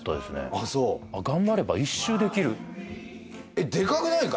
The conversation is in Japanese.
あそう「頑張れば一周できる」えっでかくないか？